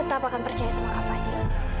aku tetap akan percaya sama mbak fadil